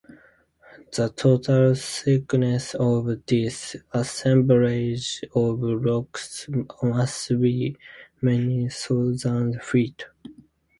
The total thickness of this assemblage of rocks must be many thousand feet.